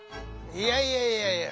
いやいやいやいや。